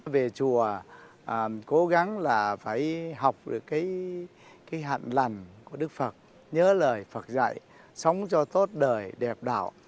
về chùa cố gắng là phải học được cái hạn lành của đức phật nhớ lời phật dạy sống cho tốt đời đẹp đạo